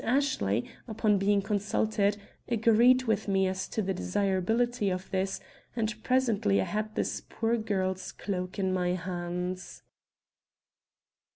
Ashley, upon being consulted, agreed with me as to the desirability of this, and presently I had this poor girl's cloak in my hands.